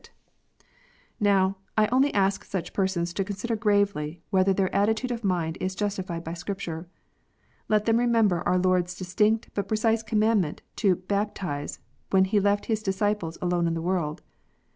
104 KNOTS UNTIED. Xow, I only ask such persons to consider gravely, whether their attitude of mind is justified by Scripture. Let them remember our Lord s distinct and precise command to " baptize," when He left His disciples alone in the world.